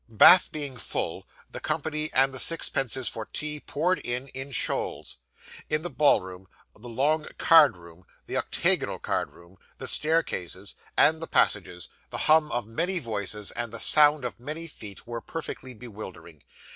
Bath being full, the company, and the sixpences for tea, poured in, in shoals. In the ballroom, the long card room, the octagonal card room, the staircases, and the passages, the hum of many voices, and the sound of many feet, were perfectly bewildering.